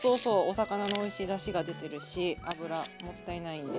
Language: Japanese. お魚のおいしいだしが出てるし油もったいないんで。